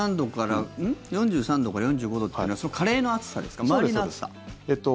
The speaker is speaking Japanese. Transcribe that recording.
４３度から４５度というのはカレーの熱さですか？